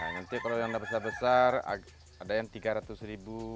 nanti kalau yang tidak besar besar ada yang rp tiga ratus ribu